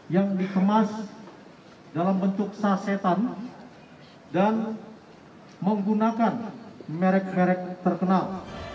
yang dikemas dalam bentuk sasetan dan menggunakan merek merek terkenal